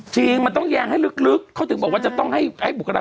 จริงมันต้องแยงให้ลึกเขาถึงบอกว่าจะต้องให้ไอ้บุคลา